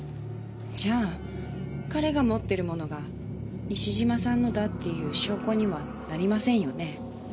じゃあ彼が持ってるものが西島さんのだっていう証拠にはなりませんよね？